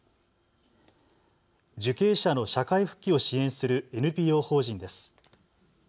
受刑者の社会復帰を支援するＮＰＯ法人です。